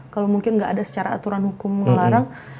kalo mungkin gak ada secara aturan hukum ngelarang